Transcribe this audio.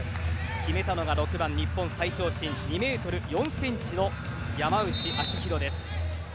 決めたのが６番日本最長身２ｍ４ｃｍの山内晶大です。